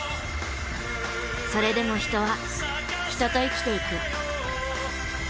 それでも人は人と生きていく。